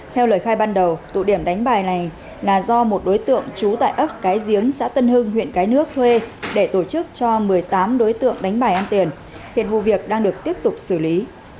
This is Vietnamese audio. theo lời khai ban đầu tụ điểm đánh bài này là do một đối tượng trú tại ấp cái giếng xã tân hưng huyện cái nước thuê để tổ chức cho một mươi tám đối tượng đánh bài ăn tiền hiện vụ việc đang được tiếp tục xử lý